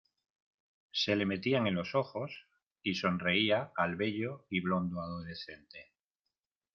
se le metían en los ojos, y sonreía al bello y blondo adolescente.